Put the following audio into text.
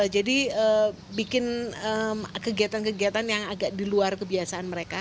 jadi bikin kegiatan kegiatan yang agak di luar kebiasaan mereka